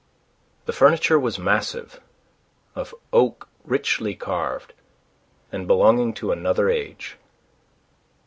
The furniture was massive, of oak richly carved, and belonging to another age.